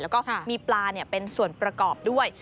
แล้วก็มีปลาเป็นส่วนประกอบด้วย